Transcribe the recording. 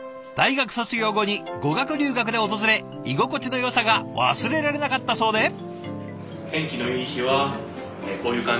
大学卒業後に語学留学で訪れ居心地のよさが忘れられなかったそうで。